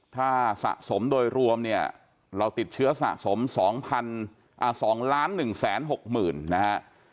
ถ้าสะสมโดยรวมเนี้ยเราติดเชื้อสะสมสองพันอ่าสองล้านหนึ่งแสนหกหมื่นนะฮะ